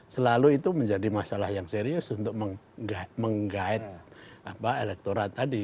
selalu itu menjadi masalah yang serius untuk menggait elektorat tadi